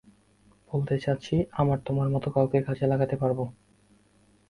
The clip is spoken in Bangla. বলতে চাচ্ছি, আমি তোমার মতো কাউকে কাজে লাগাতে পারব।